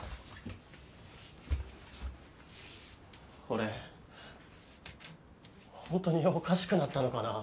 俺本当におかしくなったのかな。